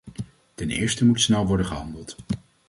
Ten eerste moet snel worden gehandeld.